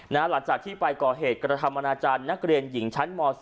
หลังจากที่ไปก่อเหตุกระทำอนาจารย์นักเรียนหญิงชั้นม๔